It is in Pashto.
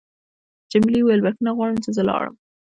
جميلې وويل: بخښنه غواړم چې زه لاړم.